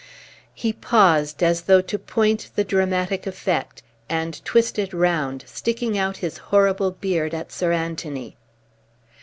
He paused as though to point the dramatic effect, and twisted round, sticking out his horrible beard at Sir Anthony.